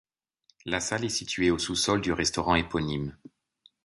La salle est située au sous-sol du restaurant éponyme.